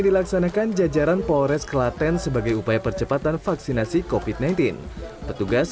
dilaksanakan jajaran polres kelaten sebagai upaya percepatan vaksinasi covid sembilan belas petugas